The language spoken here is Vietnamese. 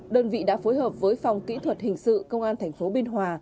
đơn vị đã phối hợp với phòng kỹ thuật hình sự công an tp biên hòa